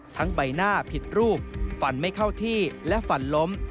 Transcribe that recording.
ใบหน้าผิดรูปฟันไม่เข้าที่และฟันล้ม